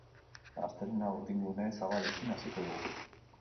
Astelehena urdingune zabalekin hasiko dugu.